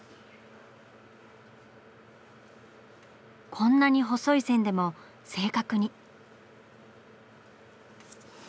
こんなに細い線でも正確に。